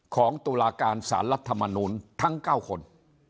ตุลาการสารรัฐมนูลทั้ง๙คน